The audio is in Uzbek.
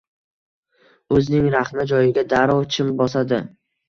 O‘zining raxna joyiga darrov chim bosadi.